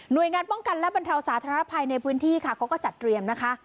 โดยงานป้องกันและบรรเทาสาธารณภัยในพื้นที่ค่ะเขาก็จัดเตรียมนะคะ